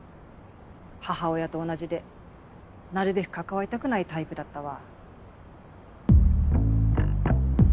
母親と同じでなるべく関わりたくないタイプだったわ。